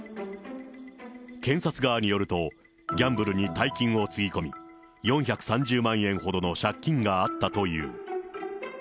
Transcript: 検察側によると、ギャンブルに大金をつぎ込み、４３０万円ほどの借金があったという。